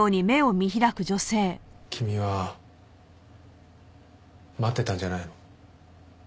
君は待ってたんじゃないの？